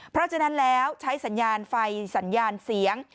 เพราะฉะนั้นแล้วใช้สัญญาณไฟสัญญาณเสียง